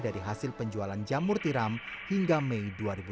dari hasil penjualan jamur tiram hingga mei dua ribu dua puluh